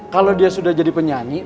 kalau dia sudah jadi penyanyi